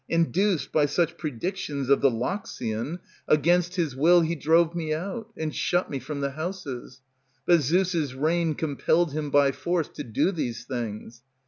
Induced by such predictions of the Loxian, Against his will he drove me out, And shut me from the houses; but Zeus' rein Compelled him by force to do these things.